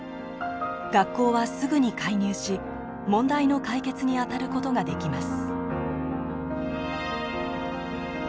学校はすぐに介入し問題の解決にあたることができます。